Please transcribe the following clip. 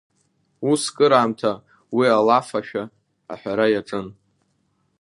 Ус кыраамҭа уи алафашәа аҳәара иаҿын.